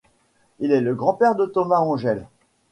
Il est le grand-père de Thomas Angell.